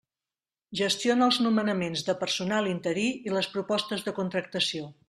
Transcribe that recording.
Gestiona els nomenaments de personal interí i les propostes de contractació.